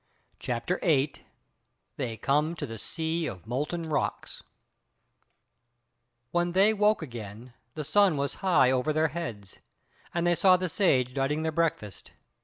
CHAPTER 8 They Come to the Sea of Molten Rocks When they woke again the sun was high above their heads, and they saw the Sage dighting their breakfast.